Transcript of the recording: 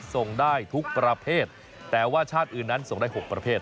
ส่งได้ทุกประเภทแต่ว่าชาติอื่นนั้นส่งได้๖ประเภท